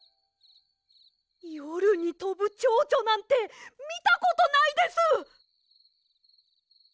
よるにとぶチョウチョなんてみたことないです！